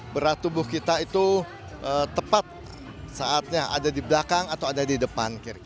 berat tubuh kita itu tepat saatnya ada di belakang atau ada di depan